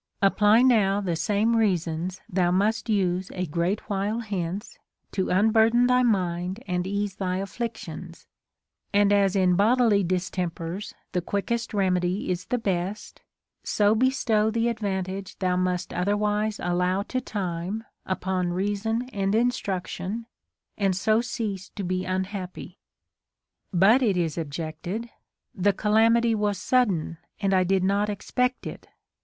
Apply now the same reasons thou must use a great while hence, to unburden thy mind and ease thy afflictions ; and as in bodily distempers the quickest remedy is the best, so bestow the advantage thou must otherwise allow to time upon reason and instruction, and so cease to be unhappy. 21. But it is objected, the calamity was sudden, and I did not expect it.